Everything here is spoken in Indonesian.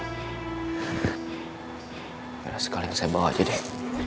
gila sekali nanti saya bawa aja deh